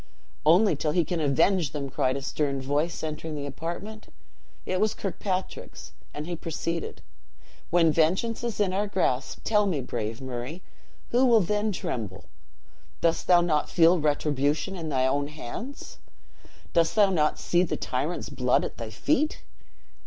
"Only till he can avenge them!" cried a stern voice, entering the apartment. It was Kirkpatrick's, and he proceeded: "When vengeance is in our grasp, tell me, brave Murray, who will then tremble? Dost thou not feel retribution in thine own hands? Dost thou not see the tyrant's blood at thy feet?"